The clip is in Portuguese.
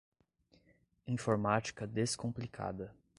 Informática descomplicada